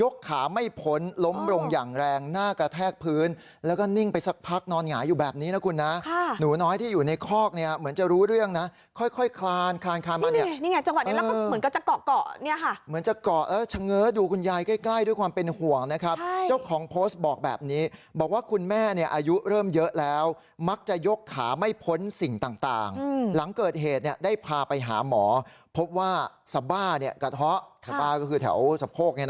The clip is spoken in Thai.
โอ้โหโอ้โหโอ้โหโอ้โหโอ้โหโอ้โหโอ้โหโอ้โหโอ้โหโอ้โหโอ้โหโอ้โหโอ้โหโอ้โหโอ้โหโอ้โหโอ้โหโอ้โหโอ้โหโอ้โหโอ้โหโอ้โหโอ้โหโอ้โหโอ้โหโอ้โหโอ้โหโอ้โหโอ้โหโอ้โหโอ้โหโอ้โหโอ้โหโอ้โหโอ้โหโอ้โหโอ้โห